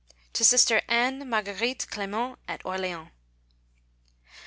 _To Sister Anne Marguerite Clément at Orleans.